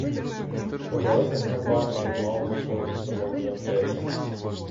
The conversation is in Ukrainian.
По далеких горбах дрімали на сонці самотні оселі.